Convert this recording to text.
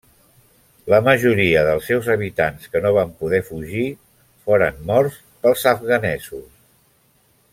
La majoria dels seus habitants que no van poder fugir foren morts pels afganesos.